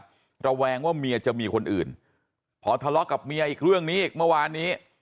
ระแวงว่าเมียจะมีคนอื่นพอทะเลาะกับเมียอีกเรื่องนี้อีกเมื่อวานนี้